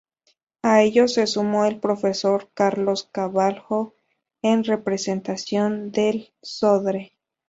A ellos se sumó el profesor Carlos Carvalho, en representación del Sodre.